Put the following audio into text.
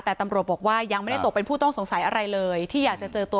แต่ตำรวจบอกว่ายังไม่ได้ตกเป็นผู้ต้องสงสัยอะไรเลยที่อยากจะเจอตัว